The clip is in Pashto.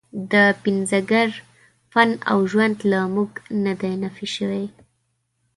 د پنځګر فن او ژوند له موږ نه دی نفي شوی.